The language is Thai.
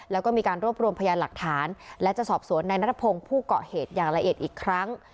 แล้วก็มีการรวบรวมพยานหลักฐานและจะสอบสวนในนัทพงศ์ผู้เกาะเหตุอย่างละเอียดอีกครั้ง